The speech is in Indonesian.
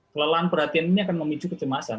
kelelahan perhatian ini akan memicu kecemasan